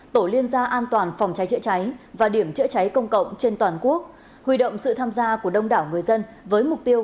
tổ liên gia an toàn phòng cháy chữa cháy và điểm chữa cháy công cộng trên toàn quốc huy động sự tham gia của đông đảo người dân với mục tiêu